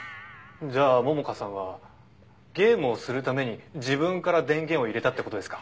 じゃあ桃香さんはゲームをするために自分から電源を入れたって事ですか？